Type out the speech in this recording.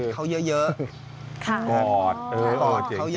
กอดเขาเยอะ